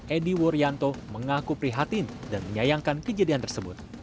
edi wuryanto mengaku prihatin dan menyayangkan kejadian tersebut